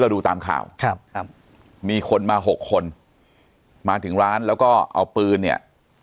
ดูตามข่าวครับครับมีคนมาหกคนมาถึงร้านแล้วก็เอาปืนเนี่ย